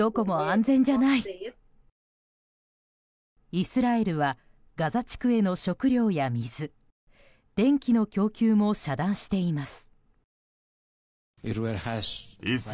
イスラエルはガザ地区への食料や水電気の供給も遮断しています。